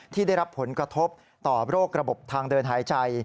ที่ได้รับผลกระทบต่อโรคระบบทางเดินหายใจ